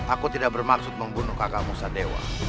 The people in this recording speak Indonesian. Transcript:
aku tidak bermaksud membunuh kakakmu sadewa